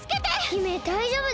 姫だいじょうぶです。